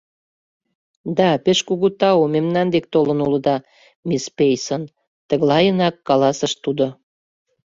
— Да, пеш кугу тау, мемнан дек толын улыда, мисс Пейсон, — тыглайынак каласыш тудо.